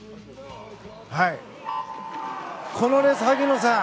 このレース、萩野さん。